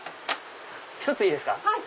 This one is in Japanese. １ついいですか？